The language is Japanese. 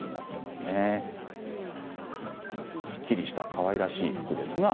すっきりしたかわいらしい服ですね。